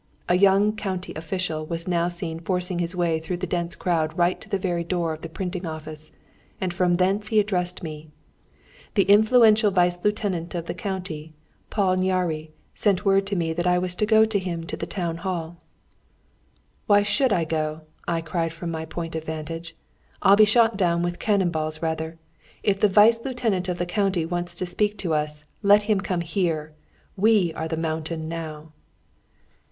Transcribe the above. A young county official was now seen forcing his way through the dense crowd right to the very door of the printing office, and from thence he addressed me. The influential Vice Lieutenant of the County, Paul Nyáry, sent word to me that I was to go to him to the town hall. "Why should I go?" cried I from my point of vantage. "I'll be shot down with cannon balls rather! If the Vice Lieutenant of the County wants to speak to us, let him come here. We are the 'mountain' now."